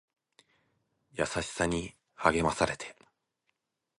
優しさに励まされて